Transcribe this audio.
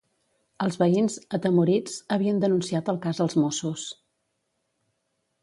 Els veïns, atemorits, havien denunciat el cas als Mossos.